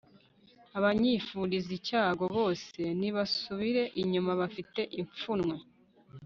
abanyifuriza icyago bose nibasubire inyuma bafite ipfunwe